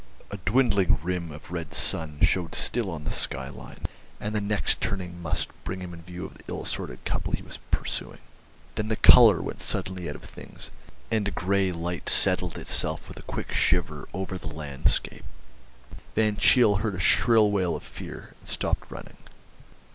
A dwindling rim of red sun showed still on the skyline, and the next turning must bring him in view of the ill assorted couple he was pursuing. Then the colour went suddenly out of things, and a grey light settled itself with a quick shiver over the landscape. Van Cheele heard a shrill wail of fear, and stopped running.